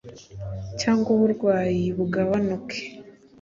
cyangwa uburwayi bugabanuke